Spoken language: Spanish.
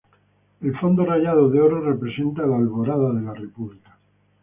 El fondo rayado de oro representa la alborada de la República.